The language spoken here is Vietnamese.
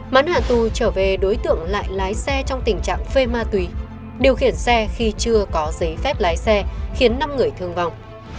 mắn hạ tù trở về đối tượng lại lái xe trong tình trạng phê ma túy điều khiển xe khi chưa có giấy phép lái xe khiến năm người thương vong